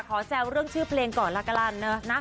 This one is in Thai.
ขอแซวเรื่องชื่อเพลงก่อนล่ะกลั้น